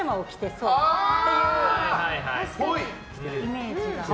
そういうイメージがね。